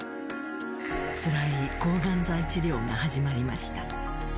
つらい抗がん剤治療が始まりました。